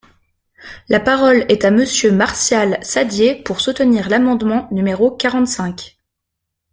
La parole est à Monsieur Martial Saddier, pour soutenir l’amendement numéro quarante-cinq.